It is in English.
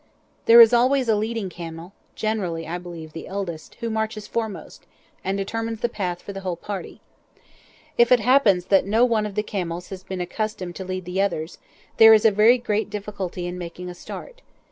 There is always a leading camel (generally, I believe, the eldest), who marches foremost, and determines the path for the whole party. If it happens that no one of the camels has been accustomed to lead the others, there is very great difficulty in making a start.